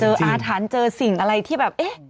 เจออาทันเจอสิ่งอะไรที่แบบเอ๊ะ